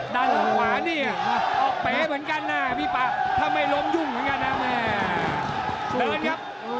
ดันขวานี่ออกแป๋เหมือนกันน่ะถ้าไม่ล้มหยุงเหมือนกันนะแหม่สู้มาครับ